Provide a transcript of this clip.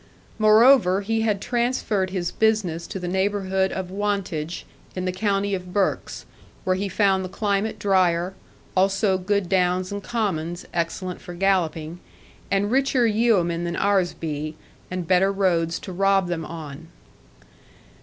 Moreover, he had transferred his business to the neighbourhood of Wantage, in the county of Berks, where he found the climate drier, also good downs and commons excellent for galloping, and richer yeomen than ours be, and better roads to rob them on.